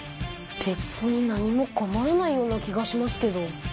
べつに何も困らないような気がしますけど。